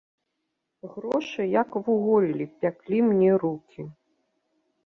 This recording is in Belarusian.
Грошы, як вуголлі, пяклі мне рукі.